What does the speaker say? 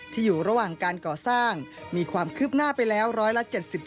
อยู่ระหว่างการก่อสร้างมีความคืบหน้าไปแล้วร้อยละ๗๗